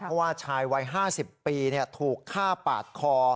เพราะว่าชายวัย๕๐ปีถูกฆ่าปาดคอ